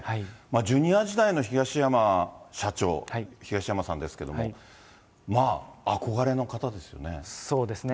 ジュニア時代の東山社長、東山さんですけれども、まあ、そうですね。